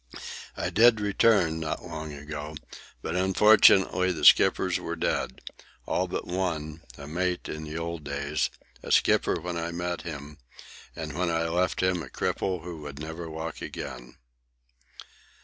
I did return, not long ago, but unfortunately the skippers were dead, all but one, a mate in the old days, a skipper when I met him, and when I left him a cripple who would never walk again."